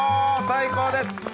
最高です！